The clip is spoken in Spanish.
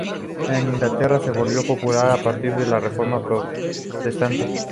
En Inglaterra se volvió popular a partir de la Reforma protestante.